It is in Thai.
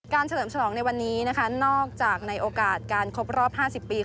เฉลิมฉลองในวันนี้นะคะนอกจากในโอกาสการครบรอบ๕๐ปี